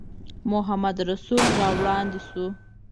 محمدرسول را وړاندې شو.